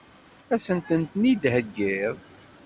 Ad sen-ten-id-theggiḍ?